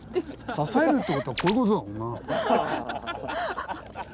支えるってことはこういうことだもんな。